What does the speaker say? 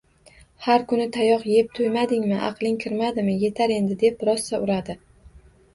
— Har kun tayoq yeb to'ymadingmi, aqling kirmadimi! Yetar endi! — deb rosa uradi.